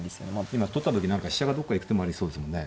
今取った時何か飛車がどっか行く手もありそうですもんね。